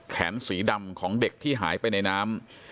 สีดำของเด็กที่หายไปในน้ำ